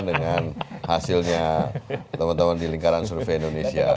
dengan hasilnya teman teman di lingkaran survei indonesia